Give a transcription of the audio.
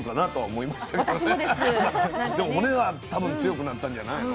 でも骨は多分強くなったんじゃないの？